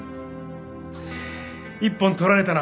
一本取られたな。